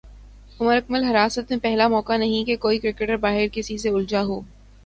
عمر اکمل حراست میںپہلا موقع نہیں کہ کوئی کرکٹر باہر کسی سے الجھا ہو